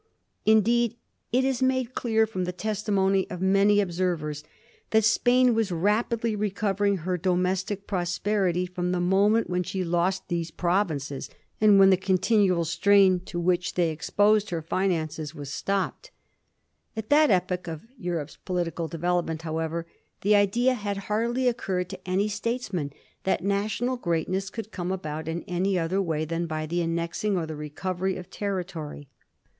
In deed, it is made clear, from the testimony of many observers, that Spain was rapidly recovering her do mestic prosperity fix)m the moment when she lost those provinces, and when the continual strain to which they Digiti zed by Google 1716. ENGLAND AND SPAIN. 209 exposed her finances was stopped. At that epoch of Europe's political development, however, the idea had hardly occurred to any statesman that national greatness could come about in any other way than by the annexing or the recovery of territory.